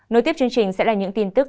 nối tiếp chương trình sẽ là những tin tức